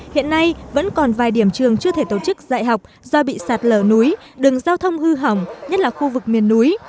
hiện nay vẫn còn vài điểm trường chưa thể tổ chức dạy học do bị sạt lở núi đường giao thông hư hỏng nhất là khu vực miền núi